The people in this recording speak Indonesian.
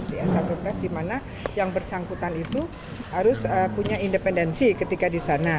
kita sudah melakukan satu tes satu tes di mana yang bersangkutan itu harus punya independensi ketika di sana